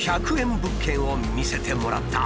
物件を見せてもらった。